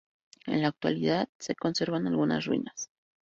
En la actualidad se conservan algunas ruinas.